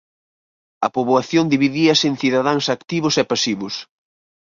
A poboación dividíase en cidadáns activos e pasivos.